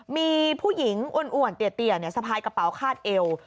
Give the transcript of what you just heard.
มีผู้หญิงอ้วนเตียสะพายกระเป๋าคาดเอว